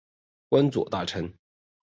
官右大臣。